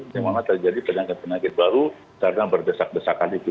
di mana terjadi penyakit penyakit baru karena berdesak desakan itu